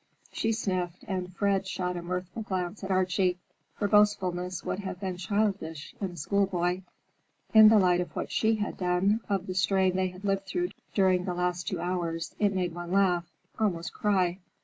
She sniffed, and Fred shot a mirthful glance at Archie. Her boastfulness would have been childish in a schoolboy. In the light of what she had done, of the strain they had lived through during the last two hours, it made one laugh,—almost cry.